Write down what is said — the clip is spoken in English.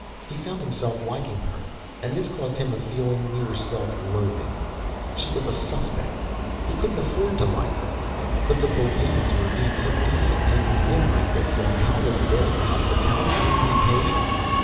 He found himself liking her, and this caused him a feeling near self loathing. She was a suspect. He couldn't afford to like her. But the Bullones were being so decent, taking him in like this. And how was their hospitality being repaid?